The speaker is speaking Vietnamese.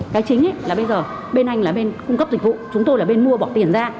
cái chính là bây giờ bên anh là bên cung cấp dịch vụ chúng tôi là bên mua bỏ tiền ra